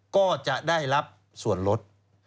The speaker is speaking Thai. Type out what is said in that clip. ก็จะได้รับส่วนลด